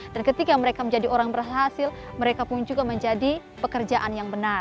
ketika mereka menjadi orang berhasil mereka pun juga menjadi pekerjaan yang benar